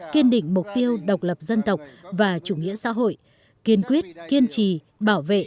kiên định mục tiêu độc lập dân tộc và chủ nghĩa xã hội kiên quyết kiên trì bảo vệ